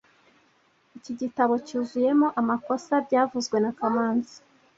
Iki gitabo cyuzuyemo amakosa byavuzwe na kamanzi